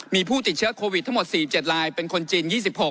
มีผู้ติดเชื้อโควิดทั้งหมด๔๗ลายเป็นคนจีน๒๖